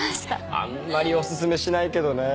あんまりおすすめしないけどねぇ。